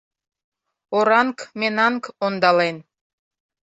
— Оранг-менанг ондален!..